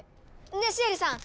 ねシエリさん！